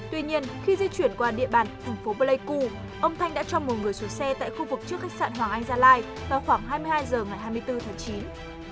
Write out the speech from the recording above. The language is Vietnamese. tuy nhiên khi di chuyển qua địa bàn thành phố pleiku ông thanh đã cho một người xuống xe tại khu vực trước khách sạn hoàng anh gia lai vào khoảng hai mươi hai h ngày hai mươi bốn tháng chín